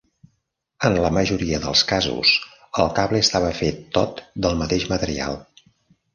En la majoria dels casos, el cable estava fet tot del mateix material.